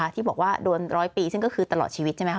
ที่บอกว่าโดนร้อยปีซึ่งก็คือตลอดชีวิตใช่ไหมคะ